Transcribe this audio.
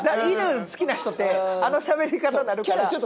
犬好きな人ってあのしゃべり方になるから。